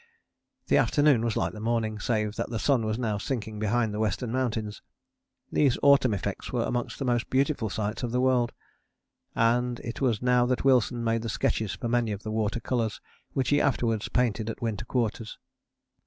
The afternoon was like the morning, save that the sun was now sinking behind the Western Mountains. These autumn effects were among the most beautiful sights of the world, and it was now that Wilson made the sketches for many of the water colours which he afterwards painted at Winter Quarters.